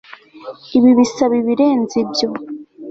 Ibi bisaba ibirenze ibyo